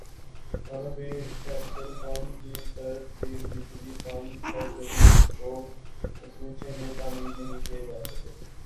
اور ابھی petrol pump کی طرز کے بجلی پمپ ہر گلی کوچے میں تعمیر نہیں کئے جاسکے